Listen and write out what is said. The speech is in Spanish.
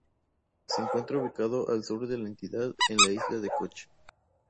Se encuentra ubicado al sur de la entidad, en la Isla de Coche.